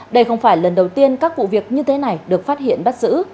đây không phải lần đầu tiên các vụ việc như thế này được phát hiện bắt giữ